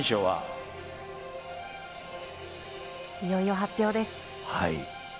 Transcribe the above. いよいよ発表です。